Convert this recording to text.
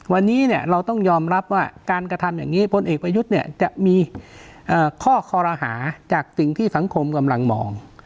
วันนี้เราต้องยอมรับว่าการกระทำอย่างนี้พลเอกประยุทธ์เนี่ยจะมีข้อคอรหาจากสิ่งที่สังคมกำลังมอง